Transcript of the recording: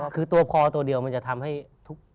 คือตัวพอตัวเดียวมันจะทำให้ทุก